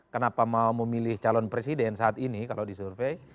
kenapa mau memilih calon presiden saat ini kalau disurvey